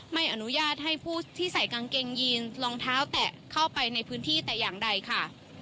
ไม่อนุญาตให้ผู้ที่ใส่กางเกงยีนรองเท้าแตะเข้าไปในพื้นที่แต่อย่างใดค่ะ